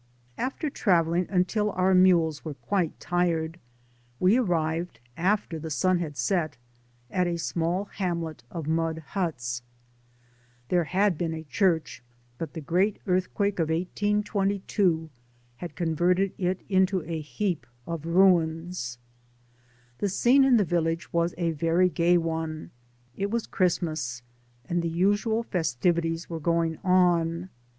Aftei: travelling until our mules were quite tired, we arrived, after the sun had set, at a small hamlet of mud huts. There had been a church, but the Digitized byGoogk EL BRONCK D£ FETOBCA. 201 great earthquake of 18SS had converted it into a heap of ruins. The scene in the village was a very gay one. It was Christmas, and the usual festi vities were going on.